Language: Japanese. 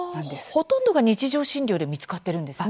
ほとんどが日常診療で見つかっているんですね。